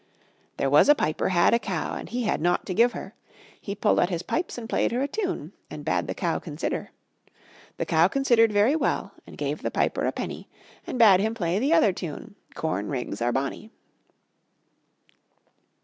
There was a piper had a cow, And he had naught to give her; He pulled out his pipes and played her a tune, And bade the cow consider. The cow considered very well, And gave the piper a penny, And bade him play the other tune, "Corn rigs are bonny."